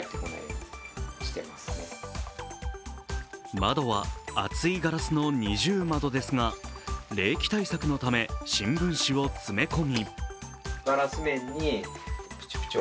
窓は厚いガラスの二重窓ですが冷気対策のため新聞紙を詰め込み